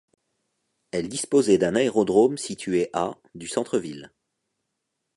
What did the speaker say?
Elle disposait d'un aérodrome situé à du centre ville.